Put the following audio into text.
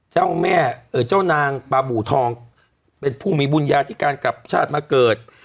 เจ้าแม่เจ้านางปาบูทองเป็นผู้มีบุญญาที่การกลับชาติมาเกิด